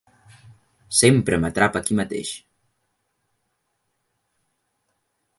Sempre m'atrapa aquí mateix.